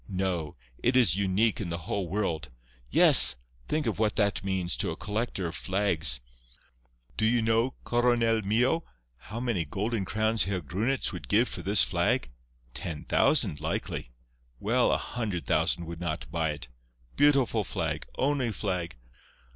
No. It is unique in the whole world. Yes. Think of what that means to a collector of flags! Do you know, Coronel mio, how many golden crowns Herr Grunitz would give for this flag? Ten thousand, likely. Well, a hundred thousand would not buy it. Beautiful flag! Only flag!